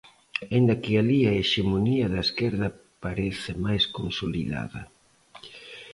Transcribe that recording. Aínda que alí a hexemonía da esquerda parece máis consolidada.